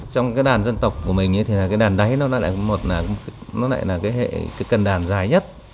trong cái đàn dân tộc của mình thì cái đàn đáy nó lại là cái cần đàn dài nhất